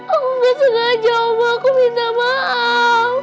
aku nggak sengaja omah aku minta maaf